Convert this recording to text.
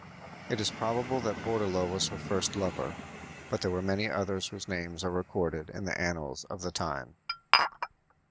It is probable that Bourdelot was her first lover, but there were many others whose names are recorded in the annals of the time.